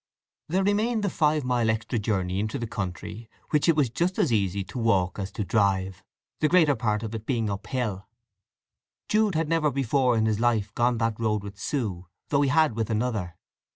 There remained the five mile extra journey into the country, which it was just as easy to walk as to drive, the greater part of it being uphill. Jude had never before in his life gone that road with Sue, though he had with another.